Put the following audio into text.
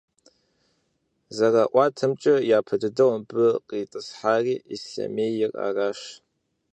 ЗэраӀуатэмкӀэ, япэ дыдэу мыбы къитӀысхьари Ислъэмейр аращ.